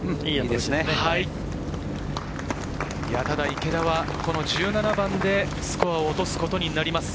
池田はこの１７番でスコアを落とすことになります。